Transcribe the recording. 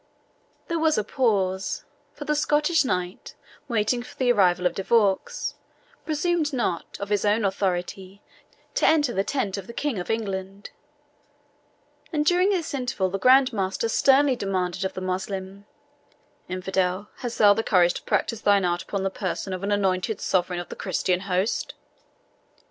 There was a pause, for the Scottish knight, waiting for the arrival of De Vaux, presumed not, of his own authority, to enter the tent of the King of England; and during this interval the Grand Master sternly demanded of the Moslem, "Infidel, hast thou the courage to practise thine art upon the person of an anointed sovereign of the Christian host?"